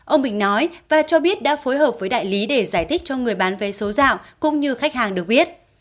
ông bình nói và cho biết đã phối hợp với đại lý để giải thích cho người bán vé số dạo cũng như khách hàng được biết